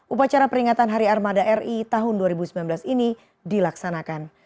upacara peringatan hari armada ri tahun dua ribu sembilan belas ini dilaksanakan